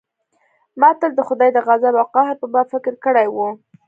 ما تل د خداى د غضب او قهر په باب فکر کړى و.